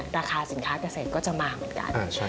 ราคาสินค้าเกษตรก็จะมาเหมือนกัน